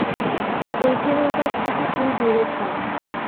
ওই ছেলের কাছ থেকে তুই দূরে থাক।